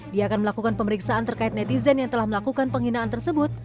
dia akan melakukan pemeriksaan terkait netizen yang telah melakukan penghinaan tersebut